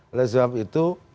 oleh sebab itu